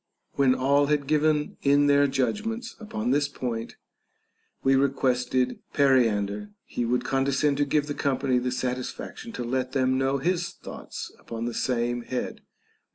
When all had given in their judgments upon this point, 16 THE BANQUET OF THE SEVEN WISE MEN. we requested Periander he would condescend to give the company the satisfaction to let them know his thoughts upon the same head.